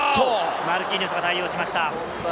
マルキーニョスが対応しました。